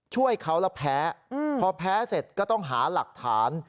ช่วยเขาแล้วแพ้พอแพ้เสร็จก็ต้องหาหลักฐาน